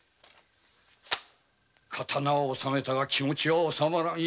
刀は納めたが気持ちは治まらん。